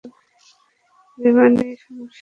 বিমানেই সমস্যা ছিল।